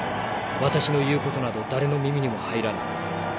私の言う事など誰の耳にも入らない。